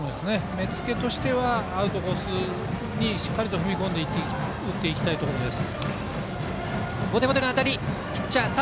目付けとしてはアウトコースにしっかりと踏み込んでいって打っていきたいところです。